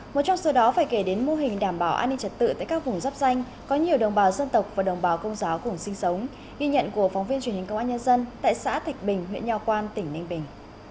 một trong số đó phải kể đến mô hình đảm bảo an ninh trật tự tại các vùng dắp danh có nhiều đồng bào dân tộc và đồng bào công giáo cùng sinh sống ghi nhận của phóng viên truyền hình công an nhân dân tại xã thạch bình huyện nho quan tỉnh ninh bình